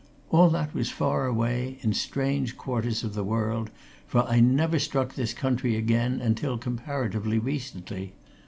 All that was far away, in strange quarters of the world, for I never struck this country again until comparatively recently.